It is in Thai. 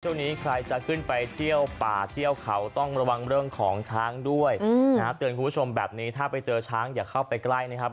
ช่วงนี้ใครจะขึ้นไปเที่ยวป่าเที่ยวเขาต้องระวังเรื่องของช้างด้วยนะเตือนคุณผู้ชมแบบนี้ถ้าไปเจอช้างอย่าเข้าไปใกล้นะครับ